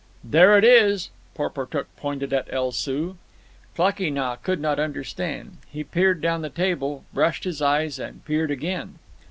"There it is." Porportuk pointed at El Soo. Klakee Nah could not understand. He peered down the table, brushed his eyes, and peered again.